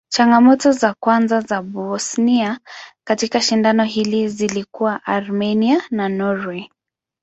Changamoto za kwanza za Bosnia katika shindano hili zilikuwa Armenia na Norway.